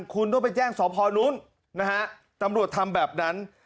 คุณต้องไปแจ้งสพนู้นนะฮะตำรวจทำแบบนั้น